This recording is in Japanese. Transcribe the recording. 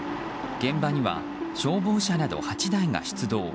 現場には消防車など８台が出動。